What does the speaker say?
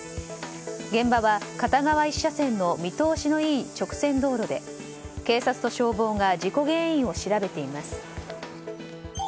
現場は片側１車線の見通しの良い直線道路で警察と消防が事故原因を調べています。